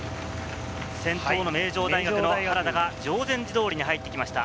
名城大学の原田が定禅寺通に入ってきました。